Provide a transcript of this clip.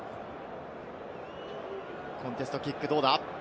コンテストキック、どうだ？